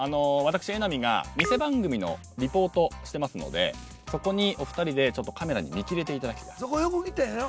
私榎並が偽番組のリポートしてますのでそこにお二人でカメラに見切れていただき。